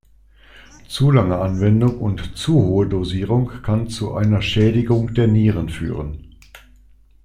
Zu lange Anwendung und zu hohe Dosierung kann zu einer Schädigung der Nieren führen.